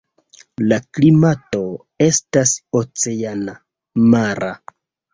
La klimato estas oceana (mara).